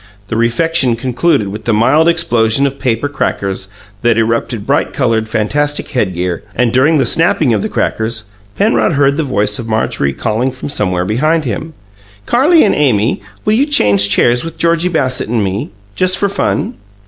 The refection concluded with the mild explosion of paper "crackers" that erupted bright coloured, fantastic headgear, and, during the snapping of the "crackers", Penrod heard the voice of Marjorie calling from somewhere behind him, "Carrie and Amy, will you change chairs with Georgie Bassett and me just for fun?"